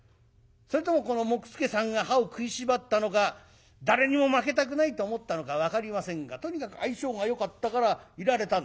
それともこの杢助さんが歯を食いしばったのか誰にも負けたくないと思ったのか分かりませんがとにかく相性がよかったからいられたんでしょう。